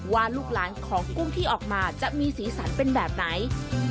ลูกหลานของกุ้งที่ออกมาจะมีสีสันเป็นแบบไหน